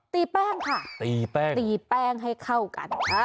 ตีแป้งค่ะตีแป้งให้เข้ากัน